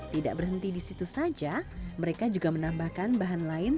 tidak berhenti di situ saja mereka juga menambahkan bahan lain